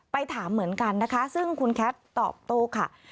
ถามเหมือนกันนะคะซึ่งคุณแคทตอบโต้ค่ะ